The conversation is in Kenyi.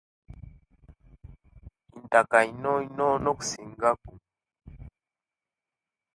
Intaka ino ino nokusingaku